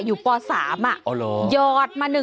อยู่ป๓อ่ะหยอดมา